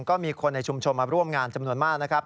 ก็มีคนในชุมชนมาร่วมงานจำนวนมากนะครับ